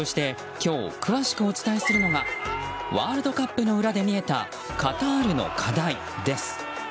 今日、詳しくお伝えするのがワールドカップの裏で見えたカタールの課題です。